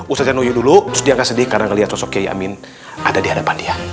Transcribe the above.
ustadz yanuyu dulu terus diangkat sedih karena melihat sosok kiai amin ada di hadapan dia